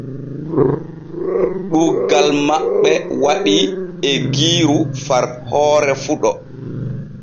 Ɗuuggal maɓɓe waɗii eggiiru far hoore fuɗo.